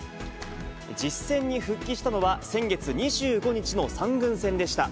実戦に復帰したのは先月２５日の３軍戦でした。